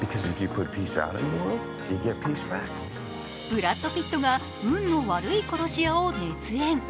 ブラッド・ピットが運の悪い殺し屋を熱演。